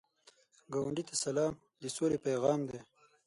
ګاونډي ته سلام، د سولې پیغام دی